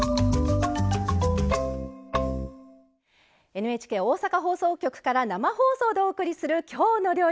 ＮＨＫ大阪放送局から生放送でお送りする「きょうの料理」。